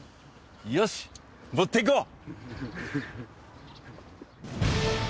よし持っていこう！